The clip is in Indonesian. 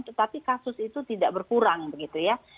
tetapi kasus itu tidak berhasil